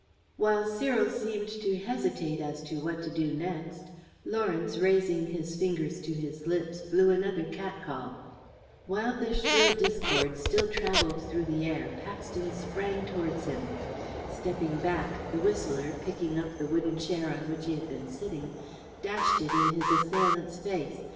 While Cyril seemed to hesitate as to what to do next, Lawrence, raising his fingers to his lips, blew another cat call. While the shrill discord still travelled through the air, Paxton sprang towards him. Stepping back, the whistler, picking up the wooden chair on which he had been sitting, dashed it in his assailant's face.